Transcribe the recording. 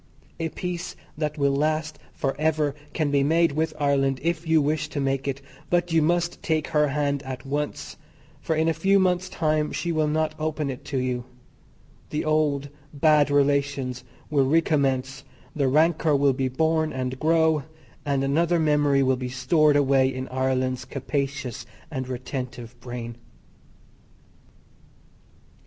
A peace that will last for ever can be made with Ireland if you wish to make it, but you must take her hand at once, for in a few months' time she will not open it to you; the old, bad relations will re commence, the rancor will be born and grow, and another memory will be stored away in Ireland's capacious and retentive brain.